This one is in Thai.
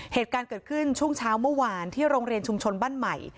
เหตุการณ์เกิดขึ้นช่วงเช้าเมื่อวานที่โรงเรียนชุมชนบ้านใหม่